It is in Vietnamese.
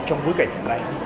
trong bối cảnh hình này